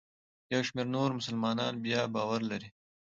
یو شمېر نور مسلمانان بیا باور لري.